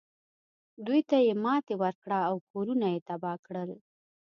دوی ته یې ماتې ورکړه او کورونه یې تباه کړل.